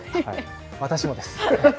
私もです。